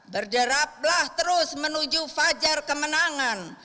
berderaplah terus menuju fajar kemenangan